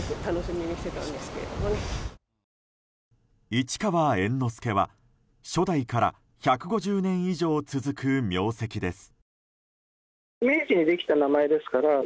市川猿之助は、初代から１５０年以上続く名跡です。